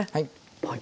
はい。